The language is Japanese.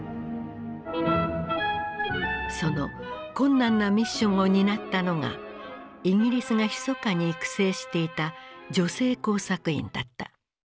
その困難なミッションを担ったのがイギリスがひそかに育成していた女性工作員だった。